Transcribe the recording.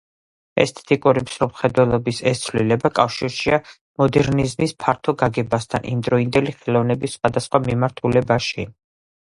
ესთეტიური მსოფლმხედველობის ეს ცვლილება კავშირშია მოდერნიზმის ფართო გაგებასთან იმდროინდელი ხელოვნების სხვადასხვა მიმართულებაში.